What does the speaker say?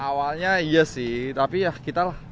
awalnya iya sih tapi ya kita lah